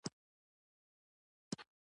دوی د کبانو شمیر ګوري.